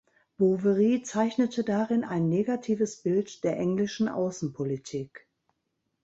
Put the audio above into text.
Boveri zeichnete darin ein negatives Bild der englischen Außenpolitik.